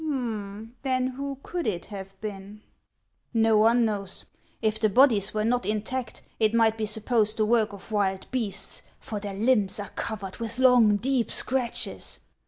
" Then who could it have been ?"" Xo one knows. If the bodies were not intact, it might be supposed the work of wild beasts, for their limbs are covered with long, deep scratches.